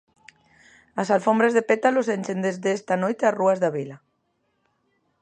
As alfombras de pétalos enchen desde esta noite as rúas da vila.